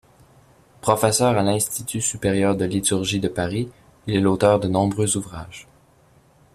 Professeur à l'Institut supérieur de liturgie de Paris, il est l'auteur de nombreux ouvrages.